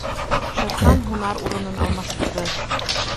— Шер Хан һунар урынын алмаштырҙы.